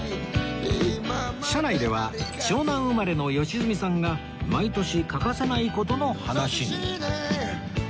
車内では湘南生まれの良純さんが毎年欠かせない事の話に